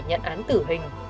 nhận án tử hình